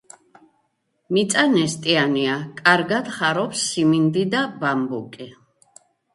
მიწა ნესტიანია, კარგად ხარობს სიმინდი და ბამბუკი.